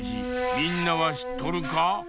みんなはしっとるか？